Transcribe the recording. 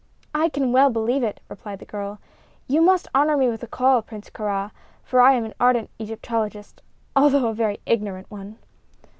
"I can well believe it," replied the girl. "You must honor me with a call, Prince Kāra, for I am an ardent Egyptologist, although a very ignorant one."